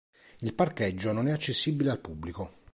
Il parcheggio non è accessibile al pubblico.